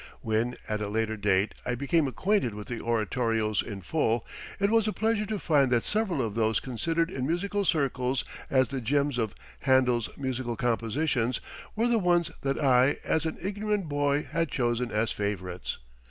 When, at a later date, I became acquainted with the oratorios in full, it was a pleasure to find that several of those considered in musical circles as the gems of Handel's musical compositions were the ones that I as an ignorant boy had chosen as favorites.